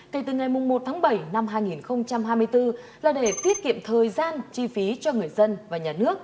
kể từ ngày một tháng bảy năm hai nghìn hai mươi bốn là để tiết kiệm thời gian chi phí cho người dân